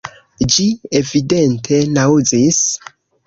Ĝi evidente naŭzis.